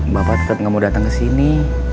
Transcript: bapak tetep gak mau dateng kesini